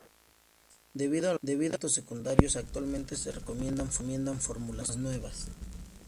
Debido a los efectos secundarios, actualmente se recomiendan formulaciones más nuevas.